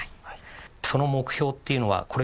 その目標っていうのはこれからも。